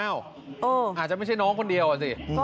อาจจะไม่ใช่น้องคนเดียวอ่ะสิ